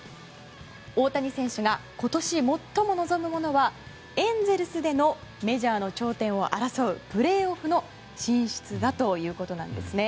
大谷選手が今年最も望むものはエンゼルスでのメジャーの頂点を争うプレーオフの進出だということなんですね。